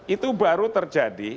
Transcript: itu baru terjadi